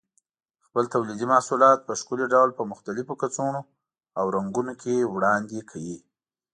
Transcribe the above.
خپل تولیدي محصولات په ښکلي ډول په مختلفو کڅوړو او رنګونو کې وړاندې کوي.